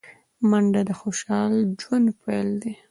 منډه د خوشال ژوند پيل دی